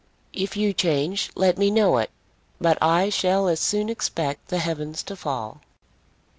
If you change let me know it; but I shall as soon expect the heavens to fall."